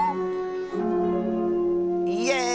イエーイ！